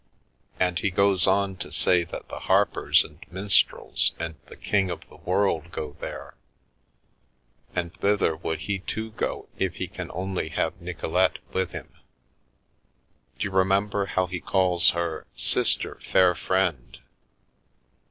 And he goes on to say that the harpers and minstrels and the ' king of the world ' go there, and thither would he too go if he can only have Nicolete with him. D'you remember how he calls her ' Sister, fair friend